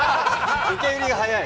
受け売りがはやい。